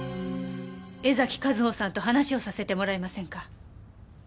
江崎和帆さんと話をさせてもらえませんか？